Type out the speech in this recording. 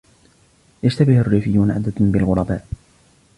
يشتبه الريفيون عادةً بالغرباء.